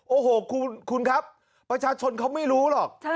โอ้โหคุณครับประชาชนเขาไม่รู้หรอก